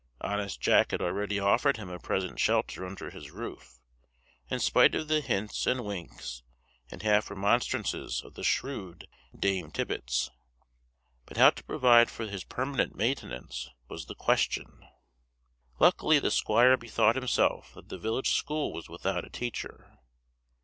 Honest Jack had already offered him a present shelter under his roof, in spite of the hints, and winks, and half remonstrances of the shrewd Dame Tibbets; but how to provide for his permanent maintenance was the question. Luckily the squire bethought himself that the village school was without a teacher.